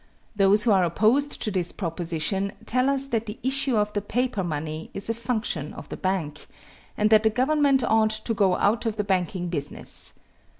Those who are opposed to this proposition tell us that the issue of paper money is a function of the bank, and that the government ought to go out of the banking business.